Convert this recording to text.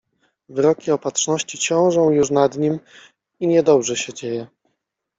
Wyroki Opatrzności ciążą już nad nim… i niedobrze się dzieje.